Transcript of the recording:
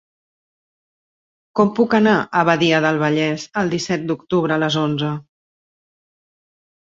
Com puc anar a Badia del Vallès el disset d'octubre a les onze?